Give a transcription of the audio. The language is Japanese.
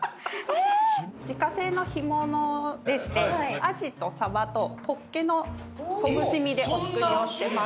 自家製の干物でしてアジとサバとホッケのほぐし身でお作りをしてます。